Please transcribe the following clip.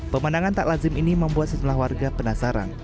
pemandangan tak lazim ini membuat sejumlah warga penasaran